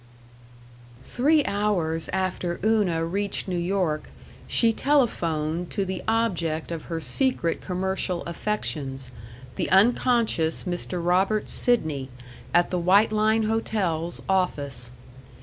§ 4 Three hours after Una reached New York she telephoned to the object of her secret commercial affections, the unconscious Mr. Robert Sidney, at the White Line Hotels office.